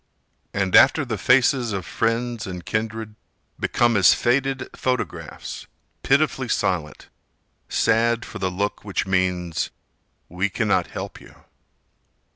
And after the faces of friends and kindred Become as faded photographs, pitifully silent, Sad for the look which means: "We cannot help you."